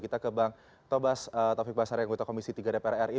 kita ke bang tobas taufik basara yang butuh komisi tiga dpr ri